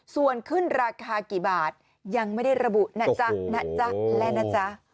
ส่วนขึ้นราคากี่บาทยังไม่ได้ระบุนะจ๊ะนะจ๊ะและนะจ๊ะ